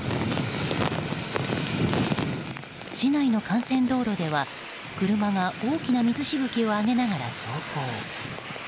市内の幹線道路では車が大きな水しぶきを上げながら走行。